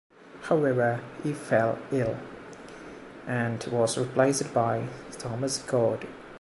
However he fell ill, and was replaced by Thomas Goad.